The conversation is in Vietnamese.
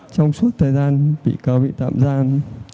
trong suốt thời gian bị cáo bị tạm gian